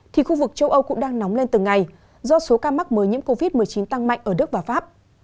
thì khu vực châu âu cũng đang nóng lên từng ngày do số ca mắc mới nhiễm covid một mươi chín tăng mạnh ở đức và pháp